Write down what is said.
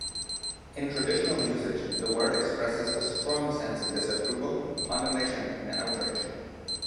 In traditional usage, the word expresses a strong sense of disapproval, condemnation and outrage.